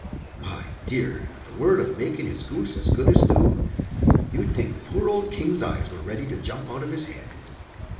My dear, at the word of making his goose as good as new, you'd think the poor old King's eyes were ready to jump out of his head.